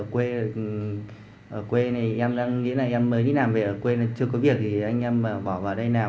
quê này em mới đi làm về quê này chưa có việc thì anh em bỏ vào đây làm